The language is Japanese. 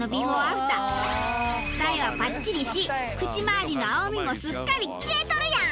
二重はパッチリし口まわりの青みもすっかり消えとるやん！